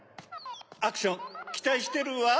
アクションきたいしてるわ！